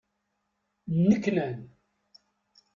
Nneknan.